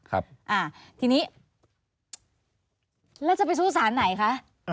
แล้วจะไปชู้สารไหนคะ